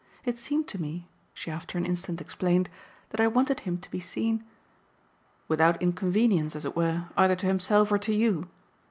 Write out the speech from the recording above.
It seemed to me," she after an instant explained, "that I wanted him to be seen " "Without inconvenience, as it were, either to himself or to you?